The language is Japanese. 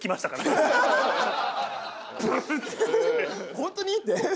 ホントに？って。